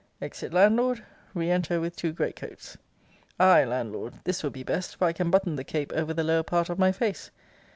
Exit Landlord. Re enter with two great coats. Ay, Landlord, this will be best; for I can button the cape over the lower part of my face.